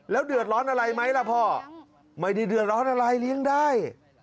เดือดร้อนอะไรไหมล่ะพ่อไม่ได้เดือดร้อนอะไรเลี้ยงได้